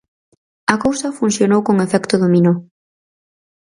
A cousa funcionou con efecto dominó.